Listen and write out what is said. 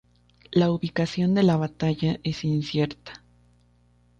La ubicación de la batalla es incierta.